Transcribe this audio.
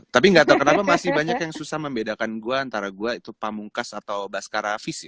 tapi gak tahu kenapa masih banyak yang susah membedakan gue antara gue itu pamungkas atau baskara fis ya